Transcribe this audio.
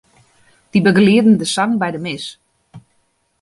Dy begelieden de sang by de mis.